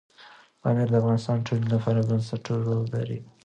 پامیر د افغانستان د ټولنې لپاره بنسټيز رول لري.